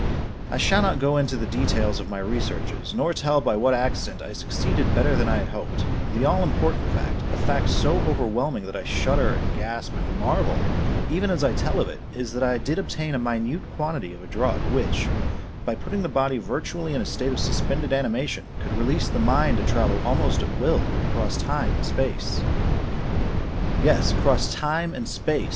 I shall not go into the details of my researches, nor tell by what accident I succeeded better than I had hoped; the all important fact a fact so overwhelming that I shudder and gasp and marvel even as I tell of it is that I did obtain a minute quantity of a drug which, by putting the body virtually in a state of suspended animation, could release the mind to travel almost at will across time and space. Yes, across time and space!